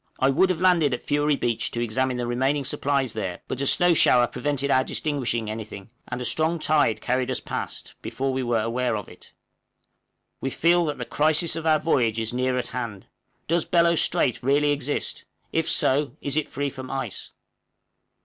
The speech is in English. I would have landed at Fury Beach to examine the remaining supplies there, but a snow shower prevented our distinguishing anything, and a strong tide carried us past before we were aware of it. We feel that the crisis of our voyage is near at hand. Does Bellot Strait really exist? if so, is it free from ice?